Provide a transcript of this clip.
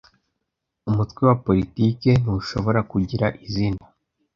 Umutwe wa politiki ntushobora kugira izina